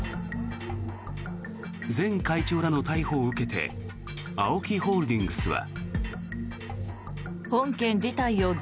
前会長らの逮捕を受けてＡＯＫＩホールディングスは。